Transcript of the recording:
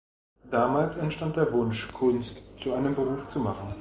Damals entstand der Wunsch, Kunst zu einem Beruf zu machen.